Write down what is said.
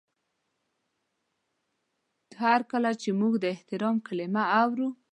هر کله چې موږ د احترام کلمه اورو